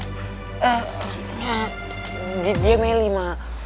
eh dia meli mak